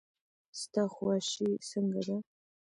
ستا خواشي څنګه ده.